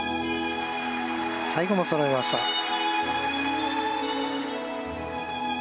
最後もそろいました。